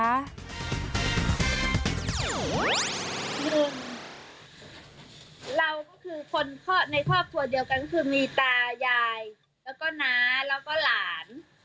รุมเราก็คือคนในครอบครัวเดียวกันก็คือมีตายายแล้วก็น้าแล้วก็หลาน